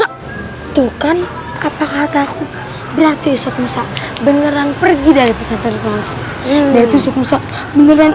itu kan apa kataku berarti ustadz musa beneran pergi dari peserta di rumah yang berusaha beneran